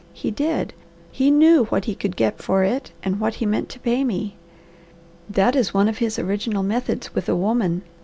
He did. He knew what he could get for it, and what he meant to pay me. That is one of his original methods with a woman.